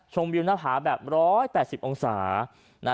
วิวหน้าผาแบบ๑๘๐องศา